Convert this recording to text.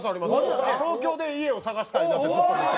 東京で家を探したいなってずっと思ってるんです。